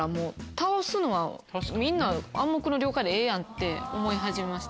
倒すのはみんな暗黙の了解でええやんって思い始めました。